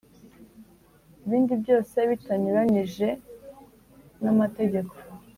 Ibindi byose bitanyuranyije n amategeko